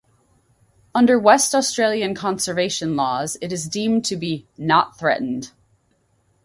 Under West Australian conservation laws it is deemed to be "not threatened".